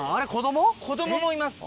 子供もいます。